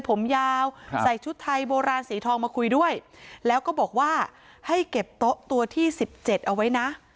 ผมยาวใส่ชุดไทยโบราณสีทองมาคุยด้วยแล้วก็บอกว่าให้เก็บโต๊ะตัวที่สิบเจ็ดเอาไว้นะ